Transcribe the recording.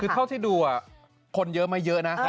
คือเท่าที่ดูอ่ะคนเยอะไหมเยอะนะค่ะ